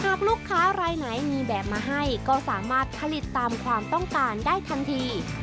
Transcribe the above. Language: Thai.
หากลูกค้ารายไหนมีแบบมาให้ก็สามารถผลิตตามความต้องการได้ทันที